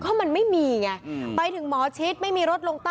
เพราะมันไม่มีไงไปถึงหมอชิดไม่มีรถลงใต้